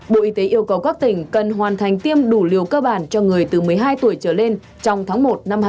bộ y tế yêu cầu các tỉnh cần hoàn thành tiêm đủ liều cơ bản cho người từ một mươi hai tuổi trở lên trong tháng một năm hai nghìn hai mươi